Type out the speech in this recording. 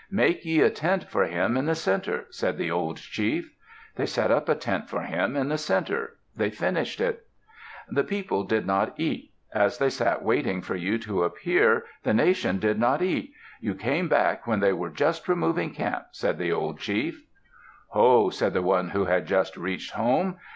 "Make ye a tent for him in the center," said the old chief. They set up a tent for him in the center. They finished it. "The people did not eat. As they sat waiting for you to appear, the nation did not eat. You came back when they were just removing camp," said the old chief. "Ho!" said the one who had just reached home.